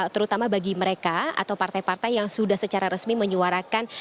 terutama bagi mereka atau partai partai yang sudah secara resmi menyuarakan